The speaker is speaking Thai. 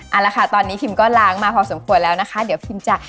เอาละค่ะตอนนี้พิมก็ล้างมาพอสมควรแล้วนะคะเดี๋ยวพิมจะ